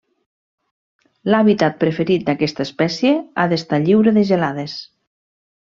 L'hàbitat preferit d'aquesta espècie ha d'estar lliure de gelades.